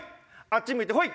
あっち向いてホイ！